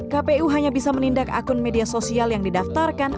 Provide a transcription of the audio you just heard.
kpu hanya bisa menindak akun media sosial yang didaftarkan